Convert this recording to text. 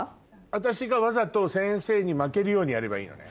私がわざと先生に負けるようにやればいいのね？